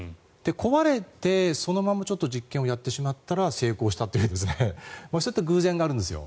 壊れてそのまま実験をやってしまったら成功したっていうそういう偶然があるんですよ。